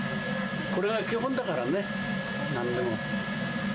これが基本だからね、なんでも。